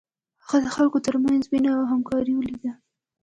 هغه د خلکو تر منځ مینه او همکاري ولیده.